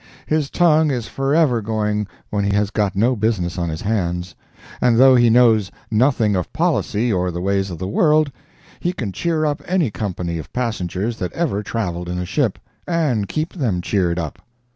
His tongue is forever going when he has got no business on his hands, and though he knows nothing of policy or the ways of the world, he can cheer up any company of passengers that ever travelled in a ship, and keep them cheered up.